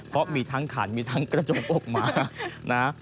เพราะมีทั้งขันมีทั้งกระจกออกมานะ